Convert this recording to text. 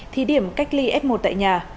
thí điểm cách ly f một tại nhà